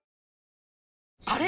あれ？